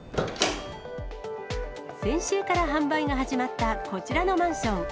先週から販売が始まったこちらのマンション。